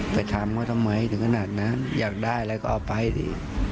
ไปทำเขาทำไมถึงขนาดนั้นอยากได้อะไรก็เอาไปดิ